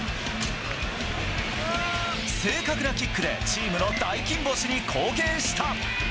正確なキックでチームの大金星に貢献した。